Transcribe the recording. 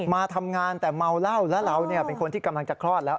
มาทำงานแต่เมาเหล้าแล้วเราเป็นคนที่กำลังจะคลอดแล้ว